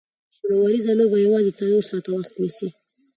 شل اووريزه لوبه یوازي څلور ساعته وخت نیسي.